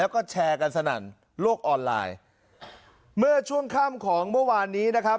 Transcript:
กันสนั่นลวกออนไลน์เมื่อช่วงค่ำของเมื่อวานนี้นะครับ